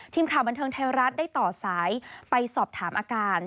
ทีมข่าวบันเทิงไทยรัฐได้ต่อสายไปสอบถามอาการ